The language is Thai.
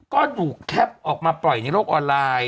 ก็ถูกแคปออกมาปล่อยในโลกออนไลน์